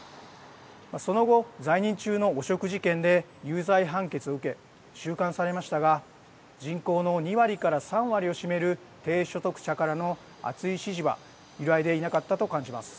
その後、在任中の汚職事件で有罪判決を受け収監されましたが人口の２割から３割を占める低所得者からの熱い支持は揺らいでいなかったと感じます。